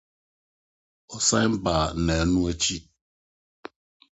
Ɔsan bae nnanu akyi.